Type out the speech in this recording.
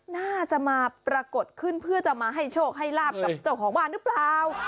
น่าจะมาปรากฏขึ้นเพื่อจะมาให้โชคให้ลาบกับเจ้าของบ้านหรือเปล่า